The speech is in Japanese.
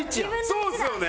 そうですよね。